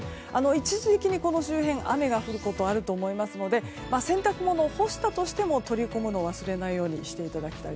一時的にこの周辺雨が降ることがありますので洗濯物を干したとしても取り込み忘れないように。